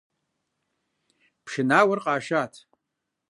Пшынауэр къашат.